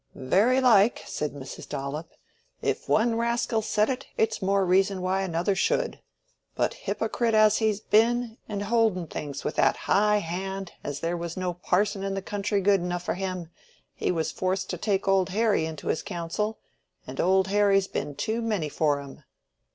"Very like," said Mrs. Dollop. "If one raskill said it, it's more reason why another should. But hypo_crite_ as he's been, and holding things with that high hand, as there was no parson i' the country good enough for him, he was forced to take Old Harry into his counsel, and Old Harry's been too many for him."